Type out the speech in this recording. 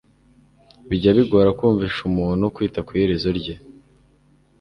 Bijya bigora kumvisha umuntu Kwita kwiherezo rye